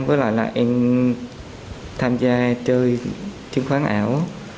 với lại là em tham gia chơi chứng khoán ảo